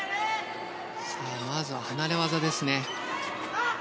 まずは離れ技ですね。